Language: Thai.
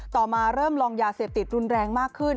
มาเริ่มลองยาเสพติดรุนแรงมากขึ้น